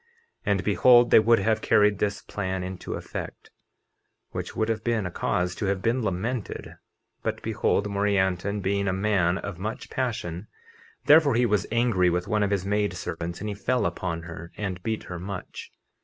50:30 And behold, they would have carried this plan into effect, (which would have been a cause to have been lamented) but behold, Morianton being a man of much passion, therefore he was angry with one of his maid servants, and he fell upon her and beat her much.